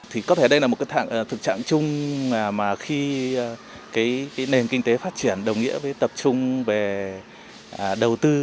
thì có thể đây là một thực trạng chung mà khi cái nền kinh tế phát triển đồng nghĩa với tập trung về đầu tư